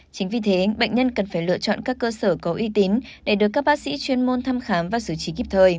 chính vì thế bệnh nhân cần phải lựa chọn các cơ sở có uy tín để được các bác sĩ chuyên môn thăm khám và xử trí kịp thời